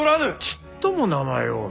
ちっとも名前を。